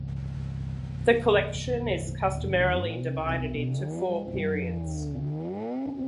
The collection is customarily divided into four periods.